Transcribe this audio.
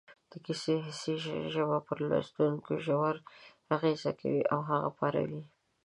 د کیسې حسي ژبه پر لوستونکي ژور اغېز کوي او هغه پاروي